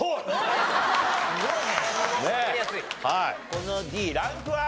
このＤランクは？